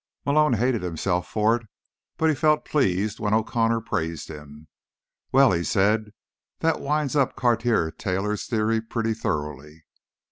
Malone hated himself for it, but he felt pleased when O'Connor praised him. "Well," he said, "that winds up Cartier Taylor's theory pretty thoroughly."